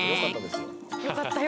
よかったよ！